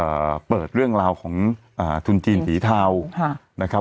เอ่อเปิดเรื่องราวของอ่าทุนจีนสีเทาค่ะนะครับ